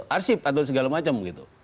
arsip atau segala macam